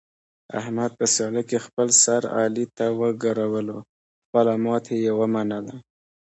احمد په سیالۍ کې خپل سر علي ته وګرولو، خپله ماتې یې و منله.